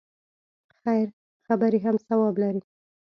خیر خبرې هم ثواب لري.